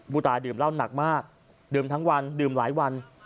ตาดื่มเหล้าหนักมากดื่มทั้งวันดื่มหลายวัน